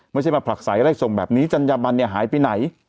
ไม่ใช่มาผลักสายไล่ส่งแบบนี้จัญญาบันเนี่ยหายไปไหน